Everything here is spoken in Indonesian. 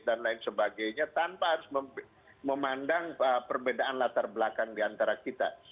dan lain sebagainya tanpa harus memandang perbedaan latar belakang diantara kita